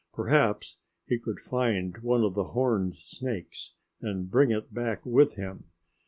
Perhaps he could find one of the horned snakes and bring it back with him.